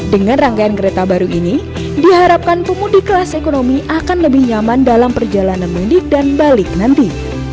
dengan rangkaian kereta baru ini diharapkan pemudik kelas ekonomi akan lebih nyaman dalam perjalanan mudik dan balik nanti